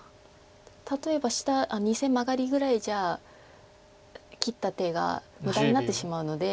例えば２線マガリぐらいじゃ切った手が無駄になってしまうので。